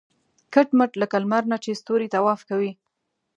کټ مټ لکه لمر نه چې ستوري طواف کوي.